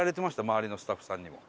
周りのスタッフさんにも。